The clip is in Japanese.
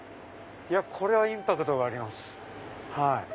これはインパクトがあります。